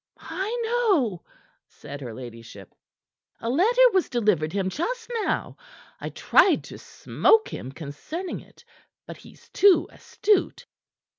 "I know," said her ladyship. "A letter was delivered him just now. I tried to smoke him concerning it. But he's too astute."